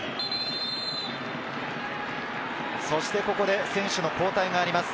そしてここで選手の交代があります。